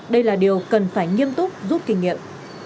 đây là điều cần phải nghiêm túc rút kinh nghiệm